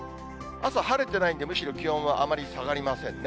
朝晴れてないんで、むしろ気温はあまり下がりませんね。